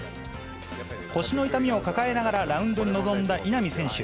腰の痛みを抱えながらラウンドに臨んだ稲見選手。